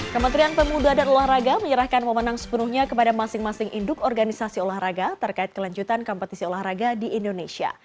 kementerian pemuda dan olahraga menyerahkan pemenang sepenuhnya kepada masing masing induk organisasi olahraga terkait kelanjutan kompetisi olahraga di indonesia